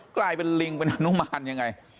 กลายเป็นลิงเป็นฮนุมานยังไง